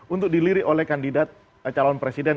untuk dilirik oleh kandidat calon presiden